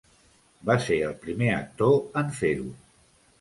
Va ser el primer actor en fer-ho.